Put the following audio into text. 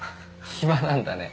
暇なんだね。